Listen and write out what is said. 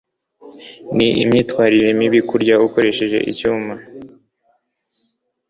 Ni imyitwarire mibi kurya ukoresheje icyuma.